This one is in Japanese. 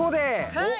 はい。